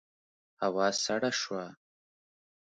هوا سړه شوه.